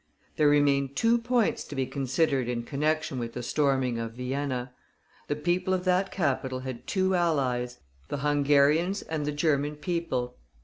There remain two points to be considered in connection with the storming of Vienna. The people of that capital had two allies the Hungarians and the German people.